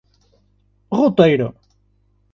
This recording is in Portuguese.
Roteiro